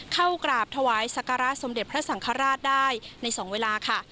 เข้ากราบถวายสักการะสมเด็จพระสังฆราชได้ใน๒เวลาค่ะ